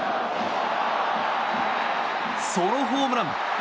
ソロホームラン！